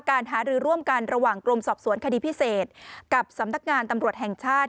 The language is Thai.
การหารือร่วมกันระหว่างกรมสอบสวนคดีพิเศษกับสำนักงานตำรวจแห่งชาติ